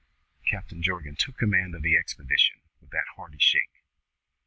Captain Jorgan took command of the expedition with that hearty shake.